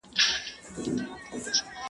بيا به خپل کي دا دښتونه -